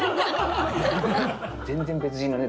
全然別人のね